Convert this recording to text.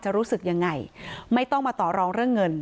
รู้สึกยังไงไม่ต้องมาต่อรองเรื่องเงิน